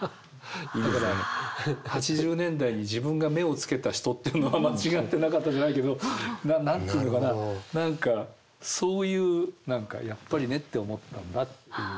だから８０年代に自分が目をつけた人っていうのは間違ってなかったじゃないけど何て言うのかなそういう何か「やっぱりねって思ったんだ」っていう。